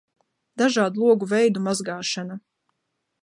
Dažādu logu veidu mazgāšana